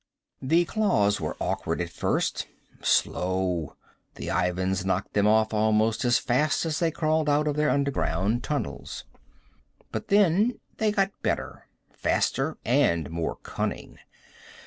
The claws were awkward, at first. Slow. The Ivans knocked them off almost as fast as they crawled out of their underground tunnels. But then they got better, faster and more cunning.